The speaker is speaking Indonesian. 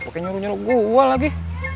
pakai nyuruk nyuruk gue lagi